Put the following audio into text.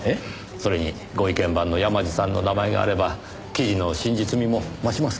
それにご意見番の山路さんの名前があれば記事の真実味も増しますからね。